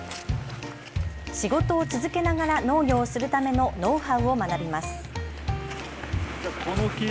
仕事を続けながら農業をするためのノウハウを学びます。